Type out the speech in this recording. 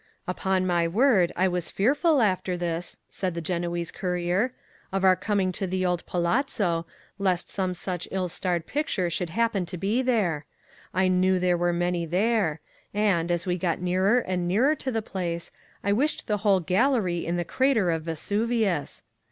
Upon my word I was fearful after this (said the Genoese courier) of our coming to the old palazzo, lest some such ill starred picture should happen to be there. I knew there were many there; and, as we got nearer and nearer to the place, I wished the whole gallery in the crater of Vesuvius.